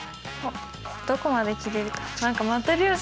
どこまで切れるか。